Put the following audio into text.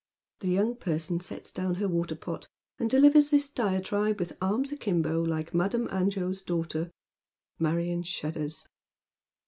The young person sets down her water pot and delivers this diatribe with arms akimbo, like Madame Angot's daughter. Marion shudders.